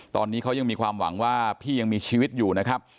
ตอนนี้เขายังมีความหวังว่าพี่ยังมีชีวิตอยู่นะครับ